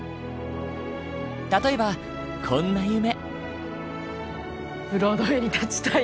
例えばこんな夢。